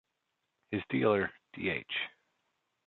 His dealer, D-H.